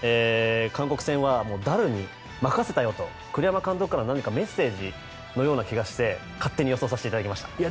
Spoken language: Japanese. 韓国戦はダルに任せたよという栗山監督からの何かメッセージのような気がして勝手に予想させていただきました。